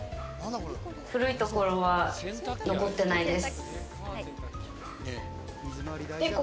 古いところは残ってないです。